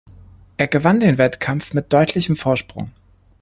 Er gewann den Wettkampf mit deutlichem Vorsprung.